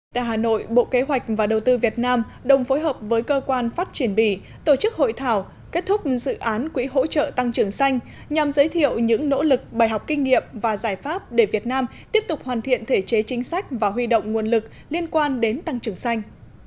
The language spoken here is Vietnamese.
tại hà nội bộ kế hoạch và đầu tư việt nam đồng phối hợp với cơ quan phát triển bỉ tổ chức hội thảo kết thúc dự án quỹ hỗ trợ tăng trưởng xanh nhằm giới thiệu những nỗ lực bài học kinh nghiệm và giải pháp để việt nam tiếp tục hoàn thiện thể chế chính sách và huy động nguồn lực liên quan đến tăng trưởng xanh